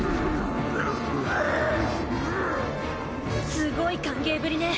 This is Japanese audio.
すごい歓迎ぶりね。